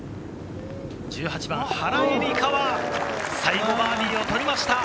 １８番、原英莉花は最後バーディーを取りました。